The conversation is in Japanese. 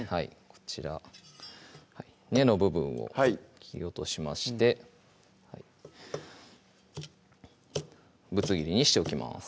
こちら根の部分を切り落としましてぶつ切りにしておきます